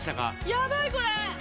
やばいこれ。